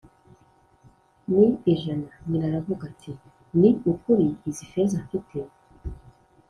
N ijana nyina aravuga ati ni ukuri izi feza mfite